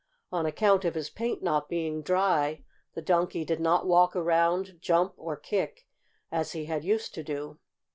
On account of his paint not being dry the Donkey did not walk around, jump or kick as he had used to do.